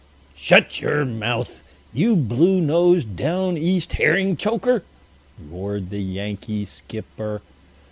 "Shut your mouth! you blue nosed, down East herring choker!" roared the Yankee skipper.